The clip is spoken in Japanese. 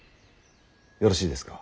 よろしいですか。